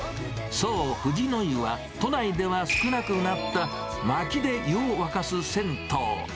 そう、藤乃湯は、都内では少なくなった、まきで湯を沸かす銭湯。